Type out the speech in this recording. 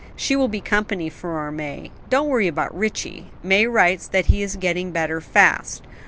She will be company for our May. Don't worry about Ritchie; May writes that he is getting better fast."